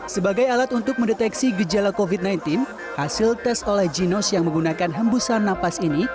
sebagai alat untuk mendeteksi gejala covid sembilan belas hasil tes oleh ginos yang menggunakan hembusan napas ini